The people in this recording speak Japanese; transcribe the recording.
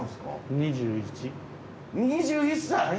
２１歳！？